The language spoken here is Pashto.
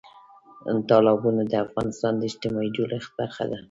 تالابونه د افغانستان د اجتماعي جوړښت برخه ده.